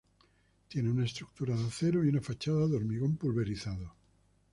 Tiene una estructura de acero y una fachada de hormigón pulverizado.